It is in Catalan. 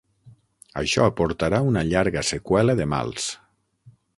Això portarà una llarga seqüela de mals.